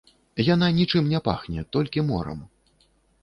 Яна нічым не пахне, толькі морам.